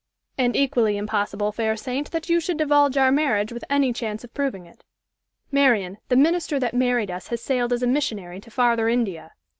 "And equally impossible, fair saint, that you should divulge our marriage with any chance of proving it. Marian, the minister that married us has sailed as a missionary to Farther India.